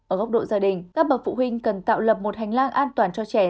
ở góc độ gia đình các bậc phụ huynh cần tạo lập một hành lang an toàn cho trẻ